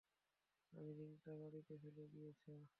আমি রিংটা বাড়িতে ফেলে গিয়েছো।